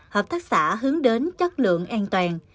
hợp tác xã hướng đến chất lượng an toàn